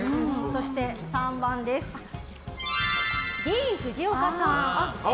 そして３番ディーン・フジオカさん。